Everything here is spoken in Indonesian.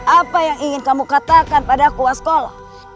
apa yang ingin kamu katakan padaku waskolo